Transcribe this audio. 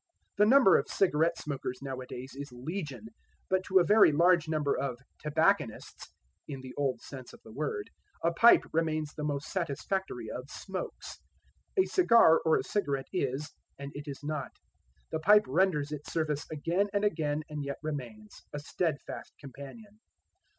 The number of cigarette smokers nowadays is legion; but to a very large number of "tobacconists" (in the old sense of the word) a pipe remains the most satisfactory of "smokes." A cigar or a cigarette is and it is not; the pipe renders its service again and again and yet remains a steadfast companion.